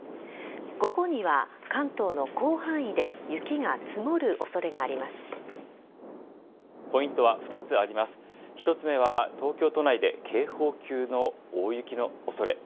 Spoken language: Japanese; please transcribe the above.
午後には関東の広範囲で雪が積もる恐れがあります。